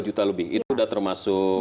lima juta lebih itu udah termasuk